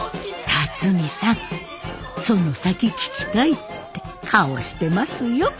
龍己さんその先聞きたいって顔してますよ。